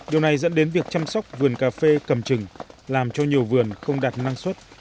điều này dẫn đến việc chăm sóc vườn cà phê cầm trừng làm cho nhiều vườn không đạt năng suất